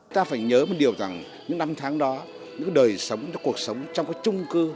ta phải nhớ một điều rằng những năm tháng đó những đời sống những cuộc sống trong các trung cư